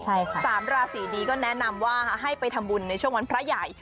ใช่ค่ะสามราศีนี้ก็แนะนำว่าให้ไปทำบุญในช่วงวันพระใหญ่